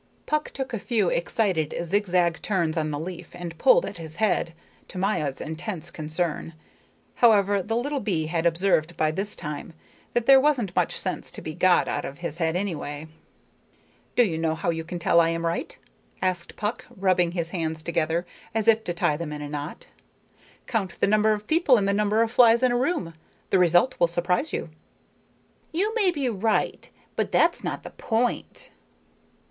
Puck took a few excited zigzag turns on the leaf and pulled at his head, to Maya's intense concern. However, the little bee had observed by this time that there wasn't much sense to be got out of his head any way. "Do you know how you can tell I am right?" asked Puck, rubbing his hands together as if to tie them in a knot. "Count the number of people and the number of flies in any room. The result will surprise you." "You may be right. But that's not the point."